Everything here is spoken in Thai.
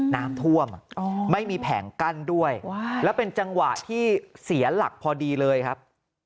น้ำท่วมไม่มีแผงกั้นด้วยแล้วเป็นจังหวะที่เสียหลักพอดีเลยครับ